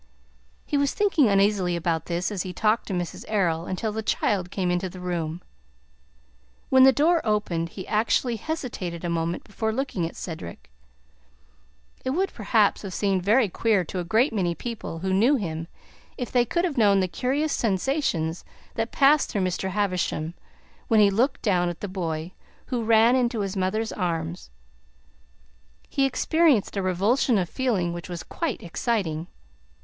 He was thinking uneasily about this as he talked to Mrs. Errol until the child came into the room. When the door opened, he actually hesitated a moment before looking at Cedric. It would, perhaps, have seemed very queer to a great many people who knew him, if they could have known the curious sensations that passed through Mr. Havisham when he looked down at the boy, who ran into his mother's arms. He experienced a revulsion of feeling which was quite exciting.